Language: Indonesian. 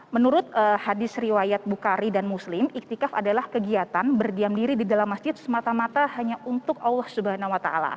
menurut hadis riwayat bukhari dan muslim iktikaf adalah kegiatan berdiam diri di dalam masjid semata mata hanya untuk allah swt